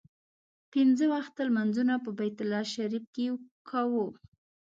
پنځه وخته لمونځونه په بیت الله شریف کې کوو.